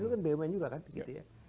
itu kan bumn juga kan begitu ya